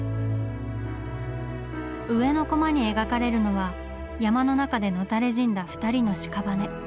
上のコマに描かれるのは山の中で野たれ死んだ二人の屍。